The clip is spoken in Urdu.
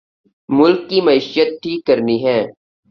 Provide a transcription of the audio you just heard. ملک کی معیشت ٹھیک کرنی ہے